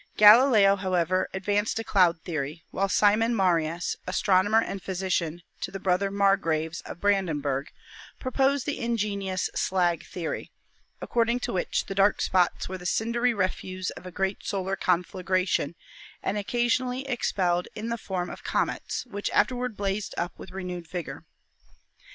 Galileo, however, advanced a cloud theory, while Simon Marius, "astronomer and physician" to the brother Margraves of Brandenburg, proposed the ingenious "slag theory," according to which the dark spots were the cindery refuse of a great solar conflagration and occasionally expelled in the form of comets, which afterward blazed up with renewed vigor.